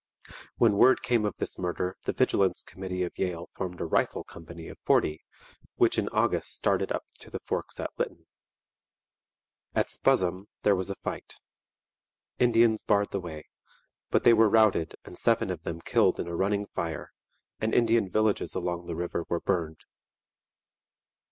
When word came of this murder the vigilance committee of Yale formed a rifle company of forty, which in August started up to the forks at Lytton. At Spuzzum there was a fight. Indians barred the way; but they were routed and seven of them killed in a running fire, and Indian villages along the river were burned.